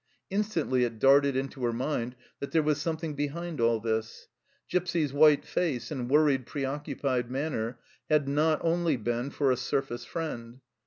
Instantly it darted into her mind that there was something behind all this. Gipsy's white face and worried, preoccupied manner had not been only for a surface friend.